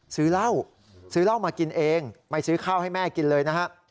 ซื้อเหล้าซื้อเหล้ามากินเองไม่ซื้อข้าวให้แม่กินเลยนะฮะ